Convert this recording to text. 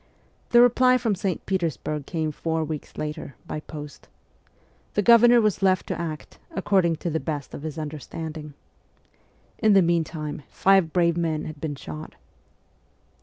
The reply from St. Petersburg came four weeks later, by post : the Governor was left to act ' according to the best of his understanding.' In the meantime five brave men had been shot.